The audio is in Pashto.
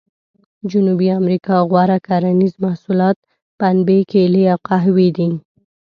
جنوبي امریکا غوره کرنیز محصولات پنبې، کېلې او قهوې دي.